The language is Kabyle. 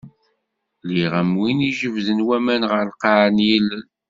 Lliɣ am win i jebden waman ɣer lqaɛ n yilel.